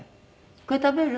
「これ食べる？」